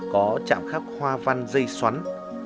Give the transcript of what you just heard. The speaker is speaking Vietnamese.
có chạm khắc hoa văn dây xoắn